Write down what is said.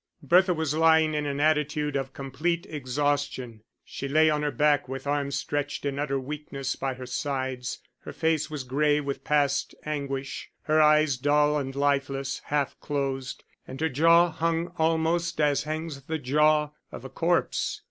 Bertha was lying in an attitude of complete exhaustion: she lay on her back, with arms stretched in utter weakness by her sides. Her face was gray with past anguish, her eyes dull and lifeless, half closed; and her jaw hung almost as hangs the jaw of a corpse.